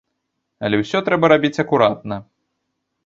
Але ўсё трэба рабіць акуратна.